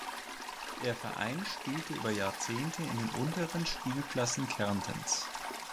Der Verein spielte über Jahrzehnte in den unteren Spielklassen Kärntens.